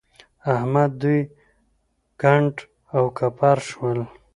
احمد دوی کنډ او کپر شول.